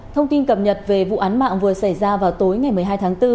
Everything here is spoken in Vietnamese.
thông tin cập nhật về vụ án mạng vừa xảy ra vào tối ngày một mươi hai tháng bốn